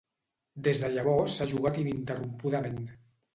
Des de llavors s'ha jugat ininterrompudament.